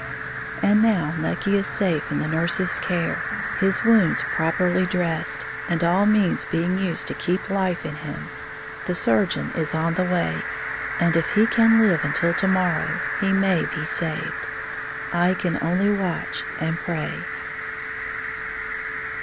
And now Nucky is safe in the nurse's care, his wounds properly dressed, and all means being used to keep life in him, the surgeon is on the way, and if he can live until to morrow, he may be saved. I can only watch and pray.